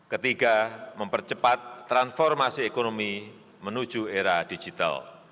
ketiga mempercepat transformasi ekonomi menuju era digital